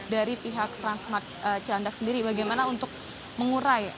dari pihak transmarcilandak sendiri bagaimana untuk mengurai